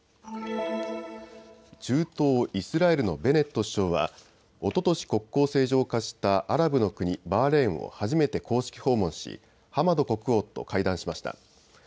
中東イスラエルのベネット首相はおととし国交正常化したアラブの国、バーレーンを初めて公式訪問しハマド国王と会談しました。